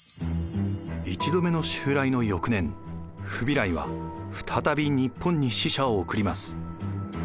１度目の襲来の翌年フビライは再び日本に使者を送ります。